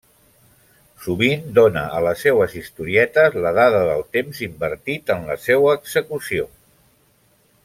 Sovint dóna a les seues historietes la dada del temps invertit en la seua execució.